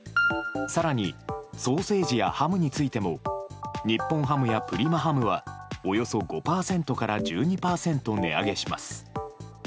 更にソーセージやハムについても日本ハムやプリマハムはおよそ５％から１２％値上げします。